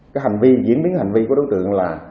cái hành vi diễn biến hành vi của đối tượng là